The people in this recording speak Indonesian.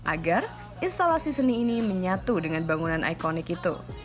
agar instalasi seni ini menyatu dengan bangunan ikonik itu